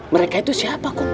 mereka itu siapa kum